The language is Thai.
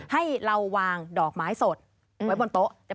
ให้เราวางดอกไม้สดไว้บนโต๊ะ